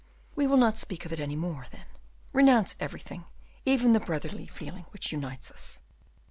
"We will not speak of it any more, then; renounce everything, even the brotherly feeling which unites us."